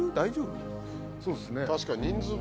確かに人数分。